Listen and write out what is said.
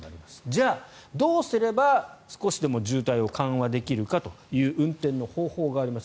じゃあ、どうすれば少しでも渋滞を緩和できるかという運転の方法があります。